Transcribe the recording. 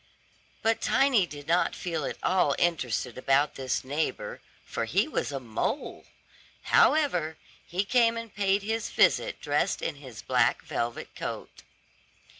But Tiny did not feel at all interested about this neighbor, for he was a mole. However, he came and paid his visit dressed in his black velvet coat.